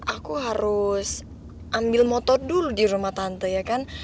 aku harus ambil motor dulu di rumah tante ya kan